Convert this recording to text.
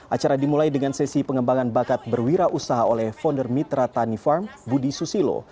acara dimulai dengan sesi pengembangan bakat berwirausaha oleh founder mitra tani farm budi susilo